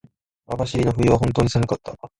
網走の冬は本当に寒かった。